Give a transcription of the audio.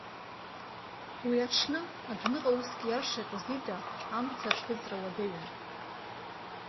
Уи аҽны, адәныҟа уск иаршаҟьоз ида, амца аҽҳәыҵра уадаҩын.